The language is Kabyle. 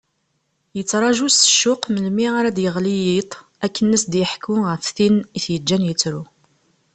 Yettraǧu s ccuq melmi ara d-yeɣli yiḍ akken ad as-yeḥku ɣef tin i t-yeǧǧan yettru.